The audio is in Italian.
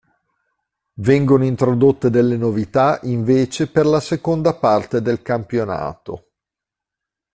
Vengono introdotte delle novità invece per la seconda parte del campionato.